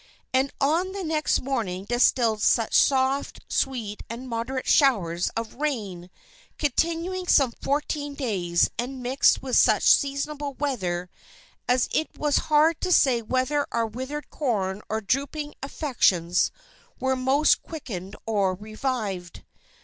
"And on the next morning distilled such soft, sweet, and moderate showers of rain continuing some fourteen days and mixed with such seasonable weather, as it was hard to say whether our withered corn or drooping affections were most quickened or revived.